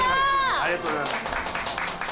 ありがとうございます。